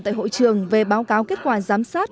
tại hội trường về báo cáo kết quả giám sát